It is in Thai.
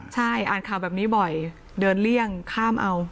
ใช่อ่านข่าวแบบนี้บ่อยเดินเลี่ยงข้ามเอา